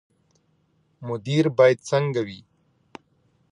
مدیر باید څنګه وي؟